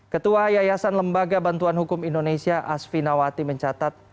ketua yayasan lembaga bantuan hukum indonesia asfi nawati mencatat